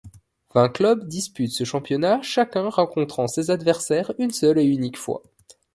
Vingt clubs disputent ce championnat chacun rencontrant ses adversaires une seule et unique fois.